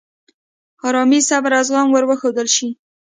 آرامي، صبر، او زغم ور وښودل شي.